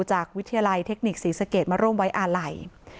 จากวิทยาลัยเทคนิคศรีสเกตมาร่วมไว้อาลัย